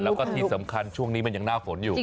แล้วก็ที่สำคัญช่วงนี้มันยังหน้าฝนอยู่